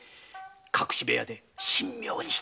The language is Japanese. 隠し部屋で神妙に。